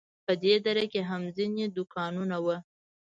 په دې دره کې هم ځینې دوکانونه وو.